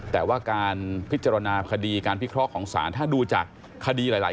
แต่ว่าการพิจารณาคดีการพิเคราะห์ของศาลถ้าดูจากคดีหลาย